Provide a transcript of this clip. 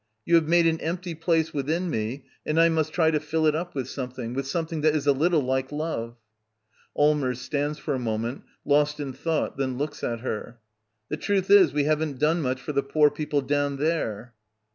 You have made an empty place within me, and I must try to fill it up with something — with some thing that is a little like love. Allmers. [Stands for a moment, lost in thought; then looks at her.] The truth is, we haven't done much for the poor people down there.